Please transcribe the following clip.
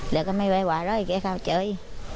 แล้วก็ไม่ไหวแล้วแกเข้าใจ